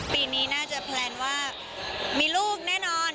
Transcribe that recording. ปีนี้น่าจะแพลนว่ามีลูกแน่นอน